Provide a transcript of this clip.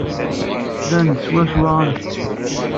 Tettban-d swaswa am kečč.